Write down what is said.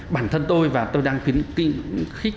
bản thân tôi và tôi đang khuyến khích